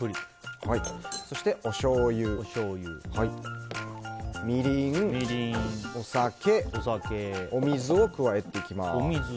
そしておしょうゆ、みりんお酒、お水を加えていきます。